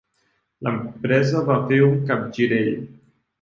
L'empresa va fer un capgirell.